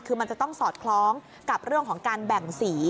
คือมันจะต้องสอดคล้องกับเรื่องของการแบ่งสี